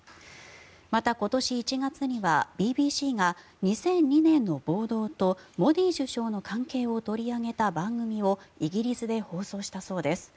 また、今年１月にはＢＢＣが２００２年の暴動とモディ首相の関係を取り上げた番組をイギリスで放送したそうです。